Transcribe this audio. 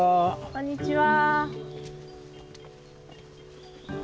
こんにちは。